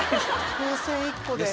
風船１個で。